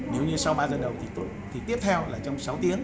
nếu như sau ba giờ đầu thì tiếp theo là trong sáu tiếng